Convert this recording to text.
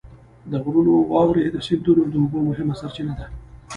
د غرونو واورې د سیندونو د اوبو مهمه سرچینه ده.